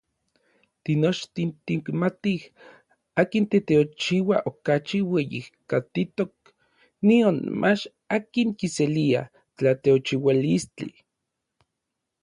Tinochtin tikmatij akin teteochiua okachi ueyijkatitok nionmach akin kiselia tlateochiualistli.